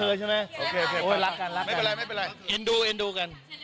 เอ็นดูกัน